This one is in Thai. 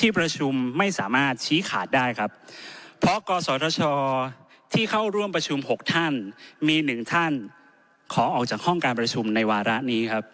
เพราะกศที่เข้าร่วมประชุม๖ท่านมี๑ท่านขอออกจากห้องการประชุมในวาระนี้ครับ